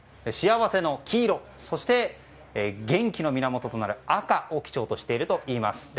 幸せの黄色そして、元気の源となる赤を基調としているといいます。